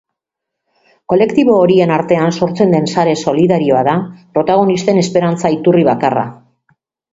Kolektibo horien artean sortzen den sare solidarioa da protagonistei esperantza iturri bakarra.